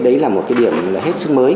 đấy là một cái điểm hết sức mới